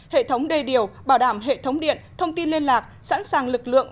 hệ thống đê điều bảo đảm hệ thống điện thông tin liên lạc sẵn sàng lực lượng